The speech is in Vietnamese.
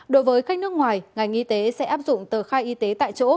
đối với khách nước ngoài ngành y tế sẽ áp dụng tờ khai y tế tại chỗ